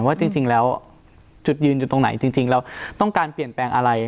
ว่าจริงแล้วจุดยืนอยู่ตรงไหนจริงเราต้องการเปลี่ยนแปลงอะไร